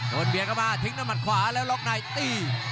โทนเบียกเข้ามาทิ้งน้ำมัดขวาแล้วล็อคไนท์ตี